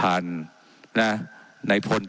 ว่าการกระทรวงบาทไทยนะครับ